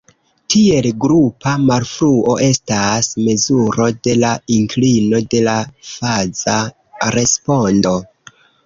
Tiel grupa malfruo estas mezuro de la inklino de la faza respondo.